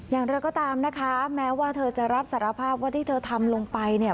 อย่างไรก็ตามนะคะแม้ว่าเธอจะรับสารภาพว่าที่เธอทำลงไปเนี่ย